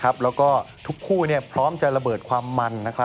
แล้วก็ทุกคู่พร้อมจะระเบิดความมัน